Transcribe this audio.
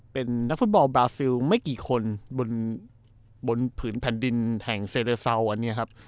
เป็นนักฟุตบอลบราซิลไม่กี่คนบนผืนแผ่นดินแห่งเซเดอร์เซาอันนี้ครับ